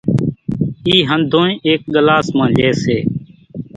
اِي ۿنڌونئين ايڪ ڳلاس مان لي سي،